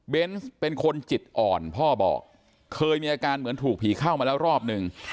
เป็นคนจิตอ่อนพ่อบอกเคยมีอาการเหมือนถูกผีเข้ามาแล้วรอบนึง